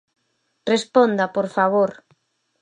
Responda por favor.